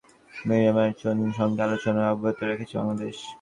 রোহিঙ্গাদের প্রত্যাবাসনের লক্ষ্যে মিয়ানমারের সঙ্গে আলোচনা অব্যাহত রেখেছে বাংলাদেশ।